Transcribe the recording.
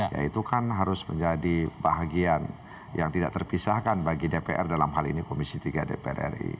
ya itu kan harus menjadi bahagian yang tidak terpisahkan bagi dpr dalam hal ini komisi tiga dpr ri